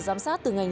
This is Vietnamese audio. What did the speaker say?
có lạm phả thai chứ